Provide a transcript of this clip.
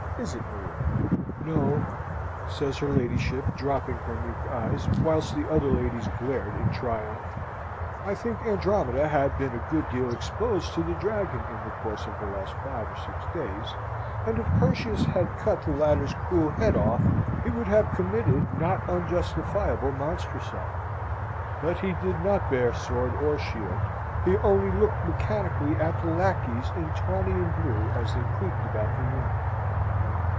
Is it, Maria?" "No," says her ladyship, dropping her meek eyes; whilst the other lady's glared in triumph. I think Andromeda had been a good deal exposed to the Dragon in the course of the last five or six days: and if Perseus had cut the latter's cruel head off he would have committed not unjustifiable monstricide. But he did not bare sword or shield; he only looked mechanically at the lacqueys in tawny and blue as they creaked about the room.